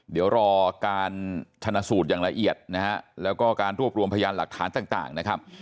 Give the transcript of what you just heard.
เดี๋ยวรอการทนสูตรอย่างละเอียดแล้วก็การรวบรวมพยานหลักฐานต่าง